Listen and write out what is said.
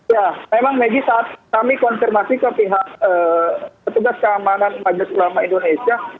ya memang megi saat kami konfirmasi ke pihak petugas keamanan majelis ulama indonesia